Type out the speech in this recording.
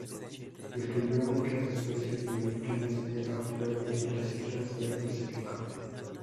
Descubrió muchas especies de líquenes de Australia y las islas del Pacífico.